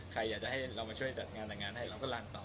ใครอยากจะให้เรามาช่วยจัดงานแต่งงานให้เราก็ลานต่อ